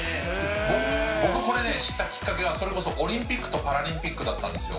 僕これね、知ったきっかけはそれこそオリンピックとパラリンピックだったんですよ。